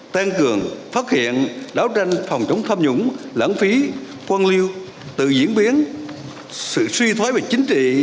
tên cường phát hiện đấu tranh phòng chống tham nhũng lãng phí quân lưu tự diễn biến sự suy thoái về chính trị